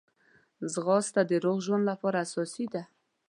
ځغاسته د روغ ژوند لپاره اساسي ده